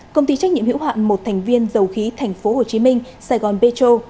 công ty trách nhiệm hữu hạn một thành viên dầu khí tp hcm sài gòn petro